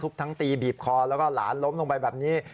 ทั้งตีบีบคอแล้วก็หลานล้มลงไปแบบนี้